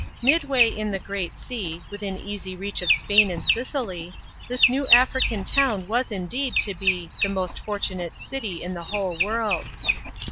Midway in the Great Sea, within ep'^y reach of Spain and Sicily, this new African town w^s indeed to be "the most fortnnate city in the whole world."